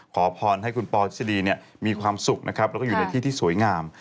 ขอพรให้คุณพอร์ทฤษฎีมีความสุขอยู่ในที่ที่สวยงาม